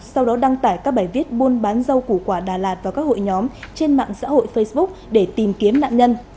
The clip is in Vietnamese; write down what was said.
sau đó đăng tải các bài viết buôn bán rau củ quả đà lạt vào các hội nhóm trên mạng xã hội facebook để tìm kiếm nạn nhân